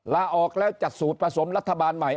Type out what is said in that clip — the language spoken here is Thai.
ลาออกแล้วจัดสูตรผสมรัฐบาลใหม่